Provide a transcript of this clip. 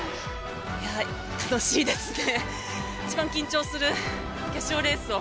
楽しいですね。